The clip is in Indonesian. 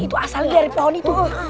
itu asalnya dari pohon itu